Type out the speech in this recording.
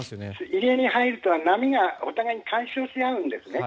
入り江に入ると波がお互いに干渉し合うんですね。